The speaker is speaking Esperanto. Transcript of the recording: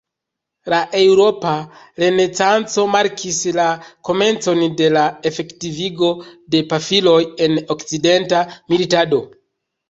La eŭropa Renesanco markis la komencon de la efektivigo de pafiloj en okcidenta militado.